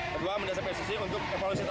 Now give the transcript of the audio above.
kedua mendasar pssi untuk revolusi total